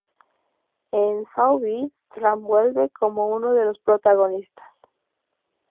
En Saw V, Strahm vuelve como uno de los protagonistas.